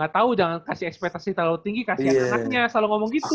gak tau jangan kasih ekspektasi terlalu tinggi kasih anak anaknya selalu ngomong gitu